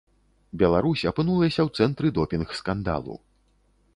Беларусь апынулася ў цэнтры допінг-скандалу.